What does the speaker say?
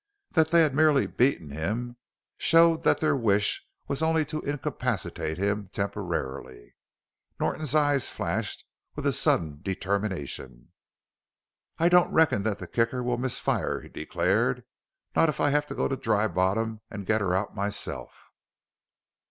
That they had merely beaten him showed that their wish was only to incapacitate him temporarily. Norton's eyes flashed with a sudden determination. "I don't reckon that the Kicker will miss fire," he declared; "not if I have to go to Dry Bottom an' get her out myself!"